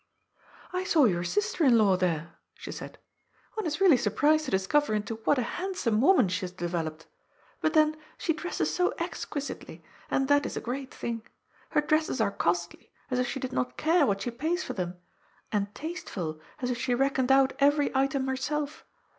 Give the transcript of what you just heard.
" I saw your sister in law there," she said. " One is really sur prised to discover into what a handsome woman she has developed. But, then, she dresses so exquisitely, and that ia a great thing. Her dresses are costly, as if she did not care what she pays for them, and tasteful, as if she reckoned out every item herself.